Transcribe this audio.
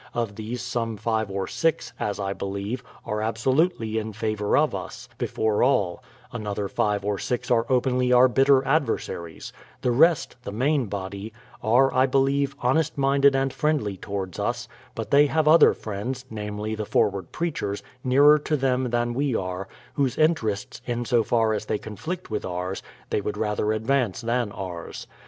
Of these some five or six (as I believe) are absolutely in favour of us, before all; another five or six are openly our bitter adversaries ; the rest — the main body, — are I believe, honest minded, and friendly towards us ; but they have other friends (namely, the forward preachers) nearer to them than we are, whose interests, in so far as they conflict with ours, they would rather advance than ours.